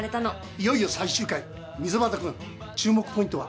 いよいよ溝端君注目ポイントは？